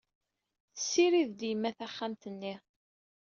Tessirid-d yemma taxxamt-nni.